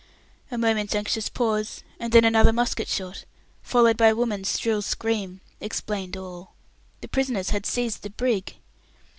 A moment's anxious pause, and then another musket shot, followed by a woman's shrill scream, explained all. The prisoners had seized the brig.